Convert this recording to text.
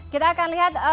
kita akan lihat